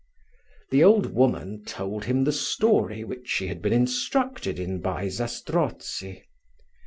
The old woman told him the story, which she had been instructed in by Zastrozzi.